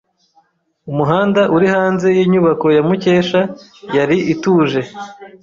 Umuhanda uri hanze yinyubako ya Mukesha yari ituje.